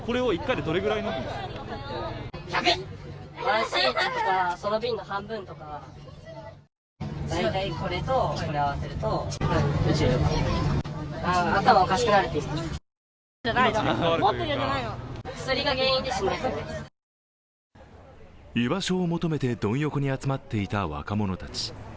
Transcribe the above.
居場所を求めてドン横に集まっていた若者たち。